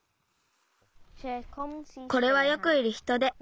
これはよくいるヒトデ。